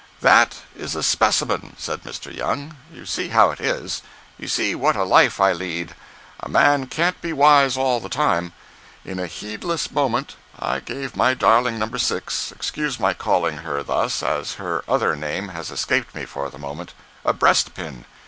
"That is a specimen," said Mr. Young. "You see how it is. You see what a life I lead. A man can't be wise all the time. In a heedless moment I gave my darling No. 6—excuse my calling her thus, as her other name has escaped me for the moment—a breast pin.